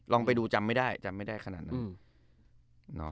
ลองไปดูจำไม่ได้จำไม่ได้ขนาดนั้น